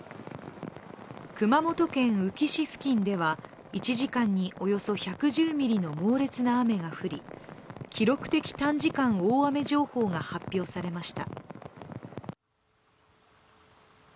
熊本県宇城市付近では１時間におよそ１１０ミリの猛烈な雨が降り、記録的短時間大雨情報が発表されました。